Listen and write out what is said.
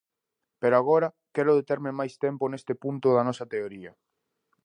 Pero agora quero determe máis tempo neste punto da nosa teoría.